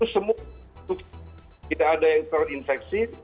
semua tidak ada yang terinfeksi